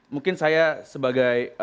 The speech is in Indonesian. mungkin saya sebagai